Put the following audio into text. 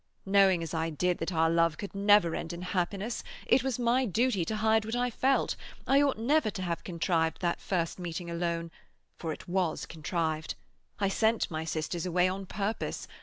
Knowing as I did that our love could never end in happiness, it was my duty to hide what I felt. I ought never to have contrived that first meeting alone—for it was contrived; I sent my sisters away on purpose.